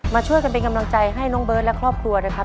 มาช่วยกันเป็นกำลังใจให้น้องเบิร์ตและครอบครัวนะครับ